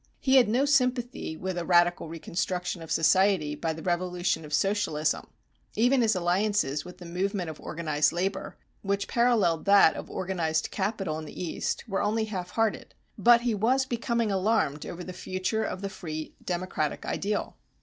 He had no sympathy with a radical reconstruction of society by the revolution of socialism; even his alliances with the movement of organized labor, which paralleled that of organized capital in the East, were only half hearted. But he was becoming alarmed over the future of the free democratic ideal.